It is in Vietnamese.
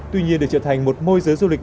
tuy nhiên để trở thành một môi giới du lịch